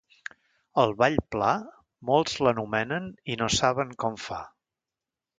El ball pla, molts l'anomenen i no saben com fa.